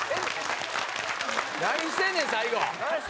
何してんねん最後。